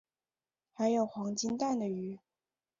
还有黄金蛋的鱼